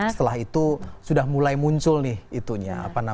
setelah itu sudah mulai muncul nih itunya